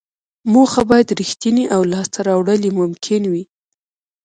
موخه باید ریښتینې او لاسته راوړل یې ممکن وي.